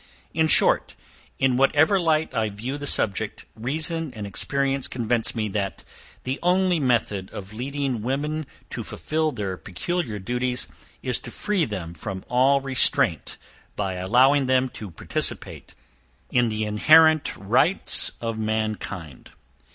In short, in whatever light I view the subject, reason and experience convince me, that the only method of leading women to fulfil their peculiar duties, is to free them from all restraint by allowing them to participate the inherent rights of mankind.